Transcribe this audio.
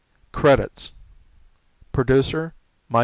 Credits: Producer, B.